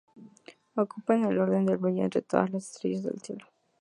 Ocupa el en orden de brillo entre todas las estrellas del cielo.